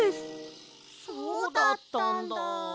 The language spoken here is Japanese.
そうだったんだ。